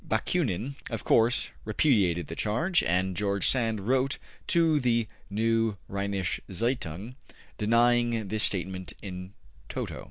Bakunin, of course, repudiated the charge, and George Sand wrote to the ``Neue Rheinische Zeitung,'' denying this statement in toto.